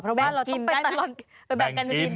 เพราะว่าเราต้องไปแบ่งกิน